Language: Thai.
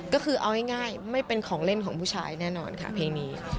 ก็คือเอาง่ายไม่เป็นของเล่นของผู้ชายแน่นอนค่ะเพลงนี้